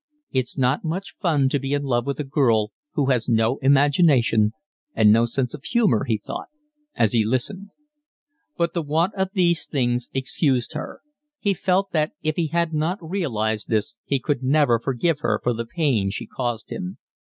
"It's not much fun to be in love with a girl who has no imagination and no sense of humour," he thought, as he listened. But the want of these things excused her. He felt that if he had not realised this he could never forgive her for the pain she caused him.